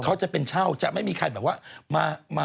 เขาจะเป็นเช่าจะไม่มีใครแบบว่ามา